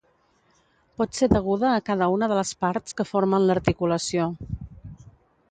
Pot ser deguda a cada una de les parts que formen l'articulació.